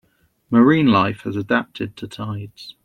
Marine life has adapted to tides.